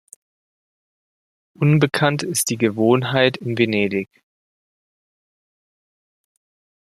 Unbekannt ist die Gewohnheit in Venedig.